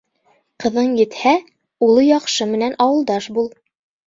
Ҡыҙың етһә, улы яҡшы менән ауылдаш бул